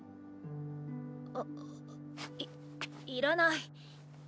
いいらない。